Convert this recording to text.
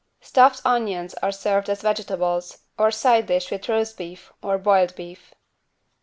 Stuffed onions are served as vegetables, or side dish with roast beef or boiled beef.